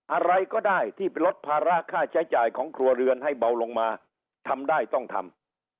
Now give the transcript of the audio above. อะไรก็ได้ที่ลดภาระค่าใช้จ่ายของครัวเรือนให้เบาลงมาทำได้ต้องทำ